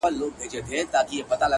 چي در رسېږم نه، نو څه وکړم ه ياره،